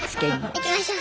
行きましょう。